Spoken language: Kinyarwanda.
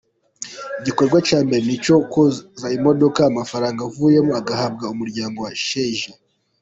Igikorwa cya mbere ni icyo koza imodoka, amafaranga avuyemo agahabwa umuryango wa Sheja.